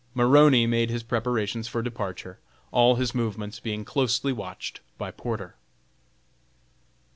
Maroney made his preparations for departure, all his movements being closely watched by Porter.